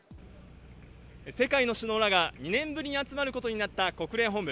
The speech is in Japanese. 世界の首脳らが２年ぶりに集まることになった国連本部。